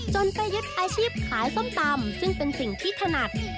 จนไปยึดอาชีพขายส้มตำซึ่งเป็นสิ่งที่ถนัด